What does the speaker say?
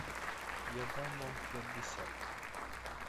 Я дам вам п'ятдесят.